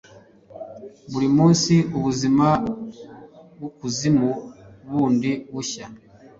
buri munsi ubuzima bwokuzimu bundi bushya